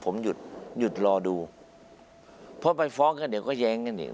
ผมหยุดหยุดรอดูเพราะไปฟ้องกันเดี๋ยวก็แย้งกันอีก